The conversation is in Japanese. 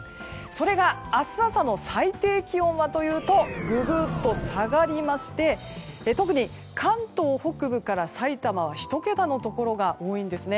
それが明日朝の最低気温はというとググッと下がりまして特に関東北部からさいたまは１桁のところが多いんですね。